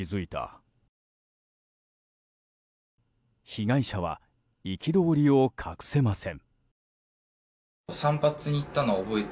被害者は憤りを隠せません。